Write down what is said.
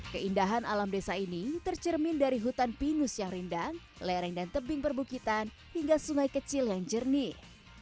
keindahan alam desa ini tercermin dari hutan pinus yang rindang lereng dan tebing perbukitan hingga sungai kecil yang jernih